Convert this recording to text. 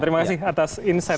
terima kasih atas insight